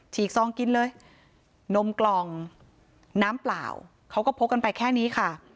กซองกินเลยนมกล่องน้ำเปล่าเขาก็พกกันไปแค่นี้ค่ะ